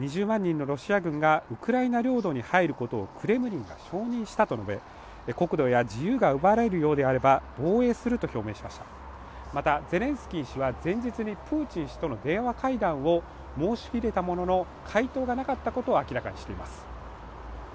２０万人のロシア軍がウクライナ領土に入ることをクレムリンが承認したと述べ国土や自由が奪われるようであれば防衛すると表明しましたまたゼレンスキー氏は前日にプーチン氏との電話会談を申し入れたものの回答がなかったことを明らかにしています